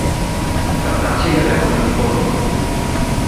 তার কাছে গেলে আপনার বিপদ হবে।